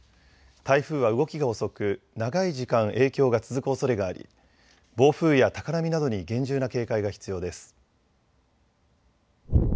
台風は動きが遅く長い時間影響が続くおそれがあり暴風や高波などに厳重な警戒が必要です。